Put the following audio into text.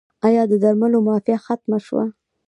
آیا د درملو مافیا ختمه شوه؟